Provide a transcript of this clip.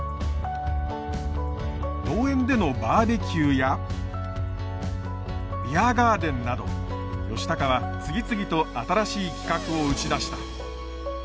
農園でのバーベキューやビアガーデンなど栄峰は次々と新しい企画を打ち出した。